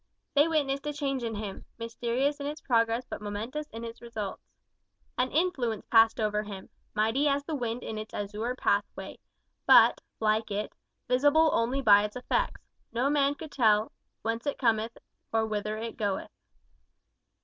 They witnessed a change in him, mysterious in its progress but momentous in its results. An influence passed over him, mighty as the wind in its azure pathway, but, like it, visible only by its effects; no man could tell "whence it cometh or whither it goeth."